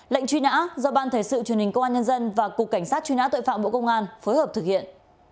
lệnh truy nã do ban thể sự truyền hình công an nhân dân và cục cảnh sát truy nã tội phạm bộ công an phối hợp thực hiện